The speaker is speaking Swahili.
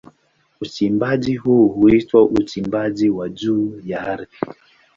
Uchimbaji huu huitwa uchimbaji wa juu ya ardhi.